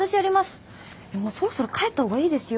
そろそろ帰った方がいいですよ。